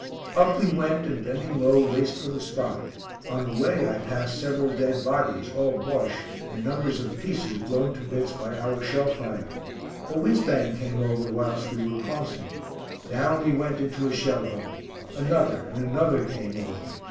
Up we went and bending low raced for the spot. On the way I passed several dead bodies, all Bosche, and numbers of pieces blown to bits by our shell fire. A whizz bang came over whilst we were crossing. Down we went into a shell hole. Another, and another came over.